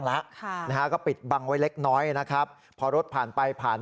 เราก็เลยได้รูปผลร้ายติดไพร